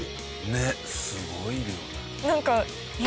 ねっすごい量だ。